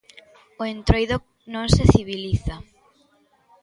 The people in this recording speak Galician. O Entroido non se civiliza.